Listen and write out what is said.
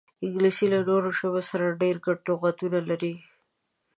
انګلیسي له نورو ژبو سره ډېر ګډ لغاتونه لري